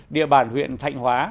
địa bàn huyện thạnh hóa